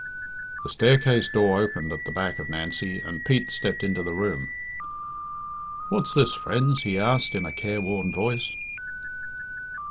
The staircase door opened at the back of Nancy, and Pete stepped into the room. "What's this, friends?" he asked, in a careworn voice.